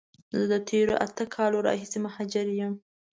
زه د تیرو اته کالونو راهیسی مهاجر یم.